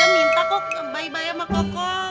dia minta kok bye bye sama koko